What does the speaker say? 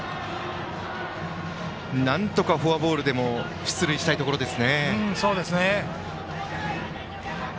なんとかフォアボールでも出塁したいところです。